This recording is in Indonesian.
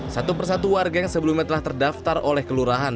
satu persatu warga yang sebelumnya telah terdaftar oleh kelurahan